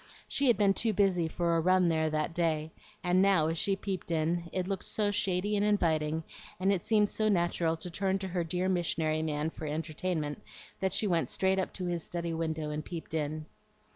She had been too busy for a run there that day; and now, as she peeped in, it looked so shady and inviting, and it seemed so natural to turn to her dear "missionary man" for entertainment, that she went straight up to his study window and peeped in.